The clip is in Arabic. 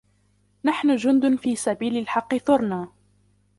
نحن جند في سبيل الحق ثرنا